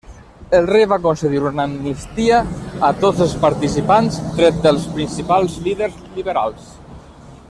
El rei va concedir una amnistia a tots els participants tret dels principals líders liberals.